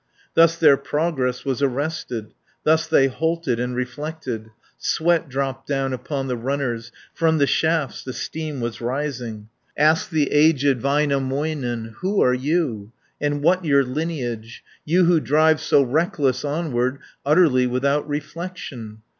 Thus their progress was arrested, Thus they halted and reflected; Sweat dropped down upon the runners; From the shafts the steam was rising. 100 Asked the aged Väinämöinen, "Who are you, and what your lineage, You who drive so reckless onward, Utterly without reflection?